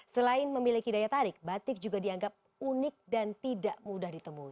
selain memiliki daya tarik batik juga dianggap unik dan tidak mudah ditemui